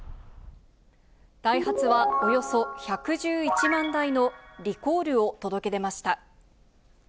ダイハツはおよそ１１１万台のリコールを届け出ました。